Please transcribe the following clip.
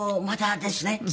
まだですね。